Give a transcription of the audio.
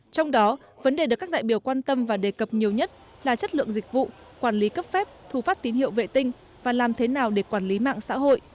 trong đó vấn đề được các đại biểu quan tâm và đề cập nhiều nhất là chất lượng dịch vụ quản lý cấp phép thu phát tín hiệu vệ tinh và làm thế nào để quản lý mạng xã hội